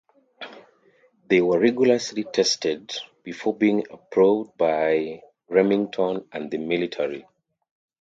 They were rigorously tested before being approved by Remington and the military.